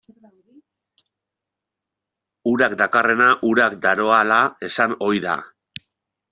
Urak dakarrena urak daroala esan ohi da.